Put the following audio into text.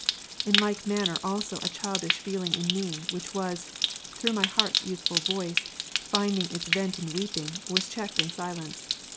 In like manner also a childish / feeling in me, which was, through my heart's youthful voice, finding its vent in weeping, was checked and silenced.